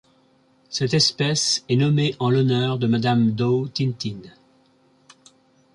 Cette espèce est nommée en l'honneur de Mme Daw Thin Thin.